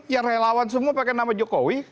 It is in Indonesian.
yang relawan semua pakai nama jokowi